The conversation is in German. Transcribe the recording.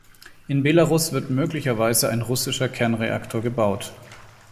In Belarus wird möglicherweise ein russischer Kernreaktor gebaut.